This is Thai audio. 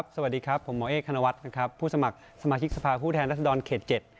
สวัสดีครับผมโหมเอเครานวัตผู้สมัครสมาชิกสภาพผู้แทนรัฐศดรเขต๗